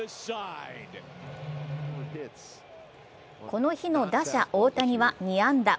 この日の打者・大谷は２安打。